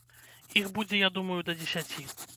Іх будзе, я думаю, да дзесяці.